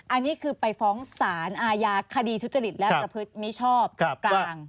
อันนี้คือไปฟ้องสารอาญาคดีทุจริตและประพฤติมิชอบกลาง